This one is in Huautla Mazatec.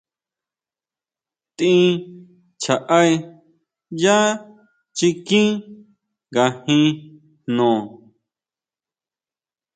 Tʼín chjaʼé yá chikín ngajín jno.